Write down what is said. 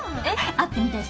会ってみたいし。